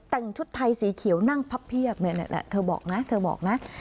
แต่งชุดไทยสีเขียวนั่งพับเพียบเธอบอกนะ